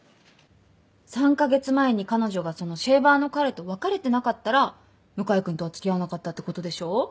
３か月前に彼女がそのシェーバーの彼と別れてなかったら向井君とは付き合わなかったってことでしょ？